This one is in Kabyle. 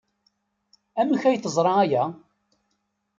Amek ay teẓra aya?